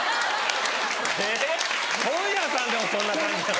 えっ本屋さんでもそんな感じなの？